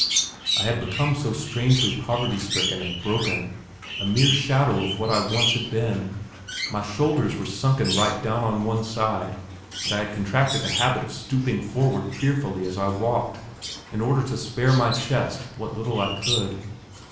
I had become so strangely poverty stricken and broken, a mere shadow of what I once had been; my shoulders were sunken right down on one side, and I had contracted a habit of stooping forward fearfully as I walked, in order to spare my chest what little I could.